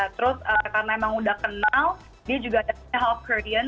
terus karena emang udah kenal dia juga adanya hope korean